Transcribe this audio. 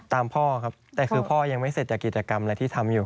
พ่อครับแต่คือพ่อยังไม่เสร็จจากกิจกรรมอะไรที่ทำอยู่